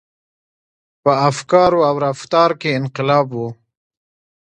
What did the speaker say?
• په افکارو او رفتار کې انقلاب و.